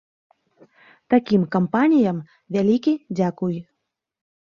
Такім кампаніям вялікі дзякуй.